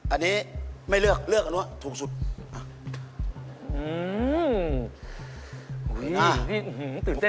อันนี้ไม่เลือกเลือกอันนั้นว่าถูกสุดอื้อหือตื่นเต้นมากเลย